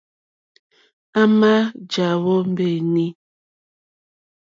À mà jàwó mbéǃéní.